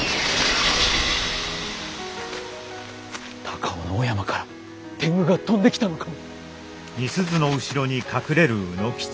高尾の御山から天狗が飛んできたのかも！